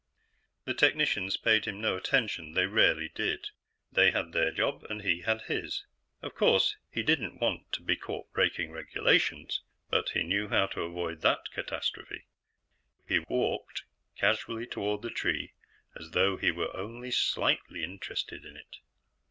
The technicians paid him no attention. They rarely did. They had their job, and he had his. Of course, he didn't want to be caught breaking regulations, but he knew how to avoid that catastrophe. He walked casually toward the tree, as though he were only slightly interested in it.